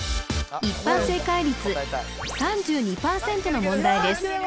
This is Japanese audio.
一般正解率３２％の問題です